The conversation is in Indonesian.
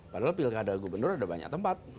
padahal pilkada gubernur ada banyak tempat